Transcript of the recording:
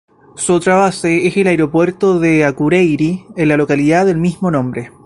Su otra base es el aeropuerto de Akureyri, en la localidad del mismo nombre.